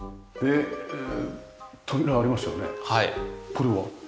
これは？